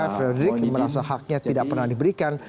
frederick merasa haknya tidak pernah diberikan